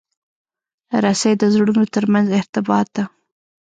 رسۍ د زړونو ترمنځ ارتباط ده.